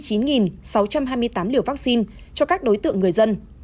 tỉnh khai tiêm ba hai trăm chín mươi chín sáu trăm hai mươi tám liều vaccine cho các đối tượng người dân